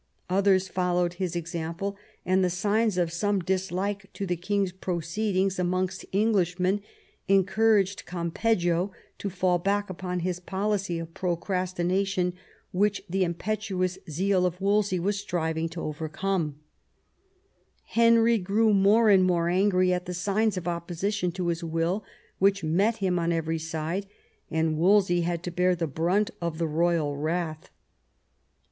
Others followed his example, and the signs of some dislike to the king's proceedings amongst Englishmen encouraged Gampeggio to fall back upon his policy of procrastina tion, which the impetuous zeal of Wolsey was striving to overcoma Henry grew more and more angry at the signs of opposition to his will which met him on every side, and Wolsey had to bear the brunt of the royal wrath.